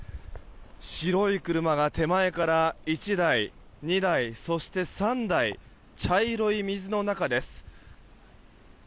白い車が手前から１台、２台そして３台茶色い水の中です。